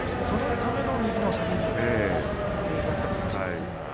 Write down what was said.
そのための右の張り手だったのかもしれませんね。